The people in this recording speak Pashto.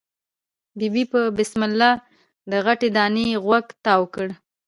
ببۍ په بسم الله د غټې دانی غوږ تاو کړ.